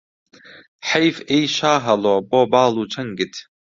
حەیف ئەی شاهەڵۆ بۆ باڵ و چەنگت